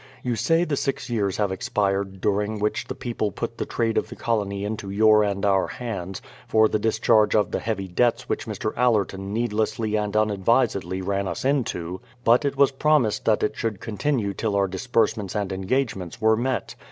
You say the six years have expired during which the people put the trade of the colony into your and our hands, for the discharge of the heavy debts which Mr. Allerton needlessly and unadvisedly ran us into; but it was promised that it should continue till our dis bursements and engagements were met.